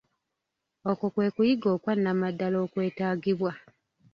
Okwo kwe kuyiga okwa namaddala okwetaagibwa.